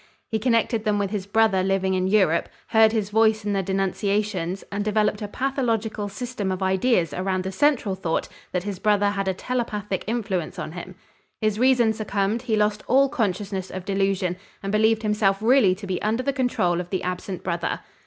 He connected them with his brother living in Europe, heard his voice in the denunciations, and developed a pathological system of ideas around the central thought that his brother had a telepathic influence on him. His reason succumbed, he lost all consciousness of delusion, and believed himself really to be under the control of the absent brother.